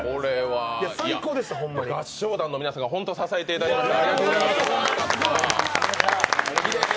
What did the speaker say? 合唱団の皆さんが本当に支えていただきました。